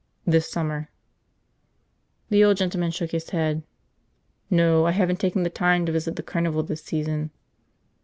"This summer." The old gentleman shook his head. "No. I haven't taken the time to visit the carnival this season."